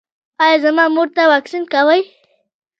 ایا زما مور ته واکسین کوئ؟